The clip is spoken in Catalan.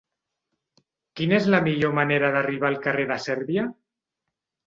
Quina és la millor manera d'arribar al carrer de Sèrbia?